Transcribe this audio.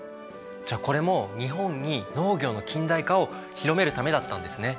じゃあこれも日本に農業の近代化を広めるためだったんですね。